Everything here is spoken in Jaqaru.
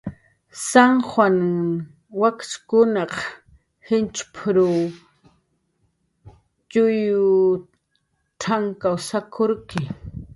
"San juanahn wakchkunq jinchp""rw txuy t'ank sak""urki "